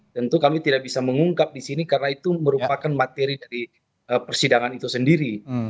tentu kami tidak bisa mengungkap di sini karena itu merupakan materi dari persidangan itu sendiri